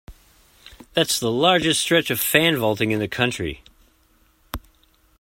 That's the largest stretch of fan vaulting in the country.